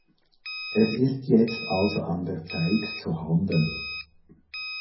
Es ist jetzt also an der Zeit zu handeln.